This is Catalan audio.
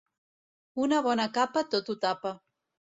Una bona capa tot ho tapa.